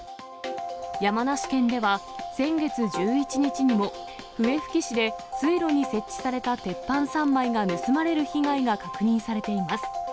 山梨県では先月１１日にも、笛吹市で水路に設置された鉄板３枚が盗まれる被害が確認されています。